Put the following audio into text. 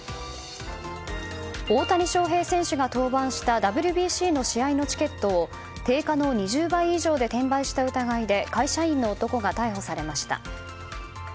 大谷翔平選手が登板したＷＢＣの試合のチケットを定価の２０倍以上で転売した疑いで会社員の男が逮捕されました。